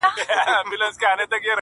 ما مي یوسف ته د خوبونو کیسه وژړله -